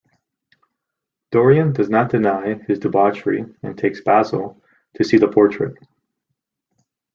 Dorian does not deny his debauchery, and takes Basil to see the portrait.